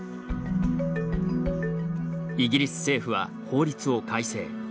イギリス政府は、法律を改正。